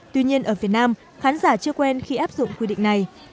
tuy nhiên ở việt nam khán giả chưa quen khi áp dụng quy định này